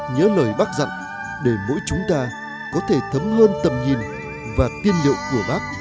nhớ lời bác dặn để mỗi chúng ta có thể thấm hơn tầm nhìn và tiên liệu của bác